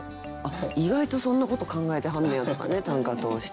意外とそんなこと考えてはんねやとかね短歌通して。